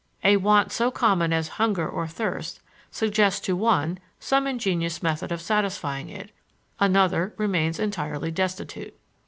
A want so common as hunger or thirst suggests to one some ingenious method of satisfying it; another remains entirely destitute.